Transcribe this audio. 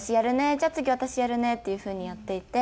「じゃあ次私やるね」っていう風にやっていて。